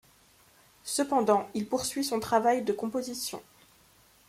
Cependant, il poursuit son travail de composition.